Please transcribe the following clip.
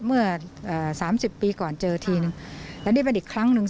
เมื่อสามสิบปีก่อนเจอทีนึงแล้วนี่เป็นอีกครั้งหนึ่ง